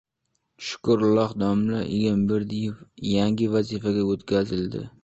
Shukrulloh domla Egamberdiev yangi vazifaga o‘tkazildi